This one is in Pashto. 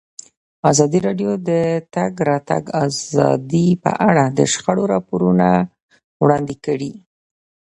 ازادي راډیو د د تګ راتګ ازادي په اړه د شخړو راپورونه وړاندې کړي.